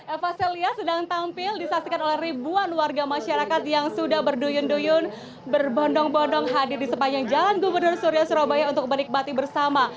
eva celia sedang tampil disaksikan oleh ribuan warga masyarakat yang sudah berduyun duyun berbondong bondong hadir di sepanjang jalan gubernur surabaya untuk menikmati bersama